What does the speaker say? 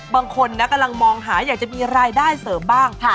บางคนนะกำลังมองหาอยากจะมีรายได้เสริมบ้าง